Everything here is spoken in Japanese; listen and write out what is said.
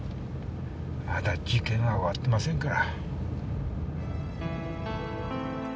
まだ事件は終わってませんから。